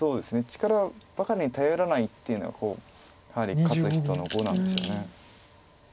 力ばかりに頼らないっていうのはやはり勝つ人の碁なんでしょう。